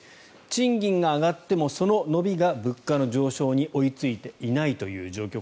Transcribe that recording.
賃金が上がってもその伸びが物価の上昇に追いついていないという状況